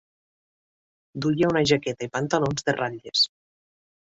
Duia una jaqueta i pantalons de ratlles.